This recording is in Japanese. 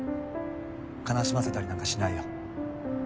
悲しませたりなんかしないよ。